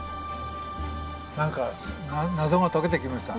何か謎が解けてきました。